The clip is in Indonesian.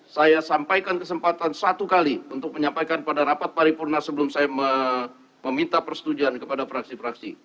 saya sampaikan kesempatan satu kali untuk menyampaikan pada rapat paripurna sebelum saya meminta persetujuan kepada fraksi fraksi